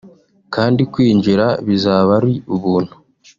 kandi kwinjira bizaba ari ubuntu